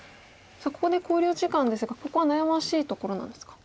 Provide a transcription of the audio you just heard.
さあここで考慮時間ですがここは悩ましいところなんですか。